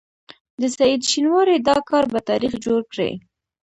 د سعید شینواري دا کار به تاریخ جوړ کړي.